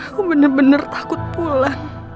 aku bener bener takut pulang